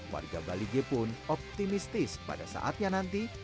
warga balige pun optimistis pada saatnya nanti